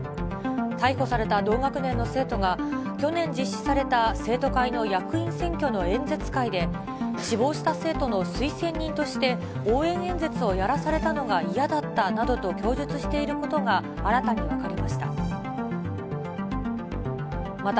逮捕された同学年の生徒が、去年実施された生徒会の役員選挙の演説会で、死亡した生徒の推薦人として応援演説をやらされたのが嫌だったなどと供述していることが新たに分かりました。